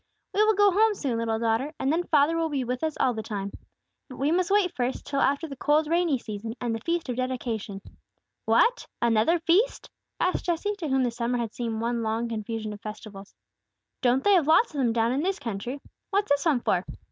"We will go home soon, little daughter, and then father will be with us all the time. But we must wait first, till after the cold, rainy season, and the Feast of Dedication." "What! another feast?" asked Jesse, to whom the summer had seemed one long confusion of festivals. "Don't they have lots of them down in this country! What's this one for?"